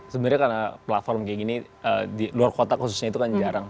sebenarnya karena platform kayak gini di luar kota khususnya itu kan jarang